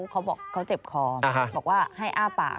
เขาบอกเขาเจ็บคอบอกว่าให้อ้าปาก